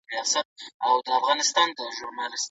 موږ بايد د ځای درناوي وکړو.